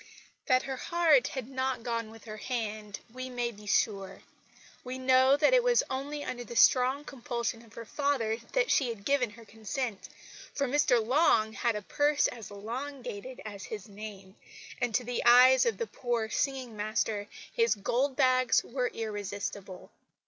That her heart had not gone with her hand we may be sure. We know that it was only under the strong compulsion of her father that she had given her consent; for Mr Long had a purse as elongated as his name, and to the eyes of the poor singing master his gold bags were irresistible.